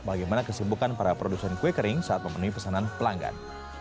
bagaimana kesibukan para produsen kue kering saat memenuhi pesanan pelanggan